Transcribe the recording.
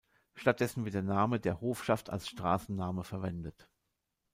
Stattdessen wird der Name der Hofschaft als Straßenname verwendet.